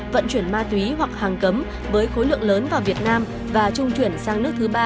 vận chuyển ma túy hoặc hàng cấm với khối lượng lớn vào việt nam và trung chuyển sang nước thứ ba